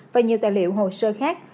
và nhiều tài liệu hồ sơ khác